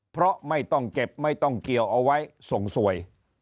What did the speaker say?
เพราะไม่ต้องเก็บไม่ต้องเกี่ยวเอาไว้ส่งสวย